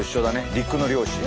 陸の漁師。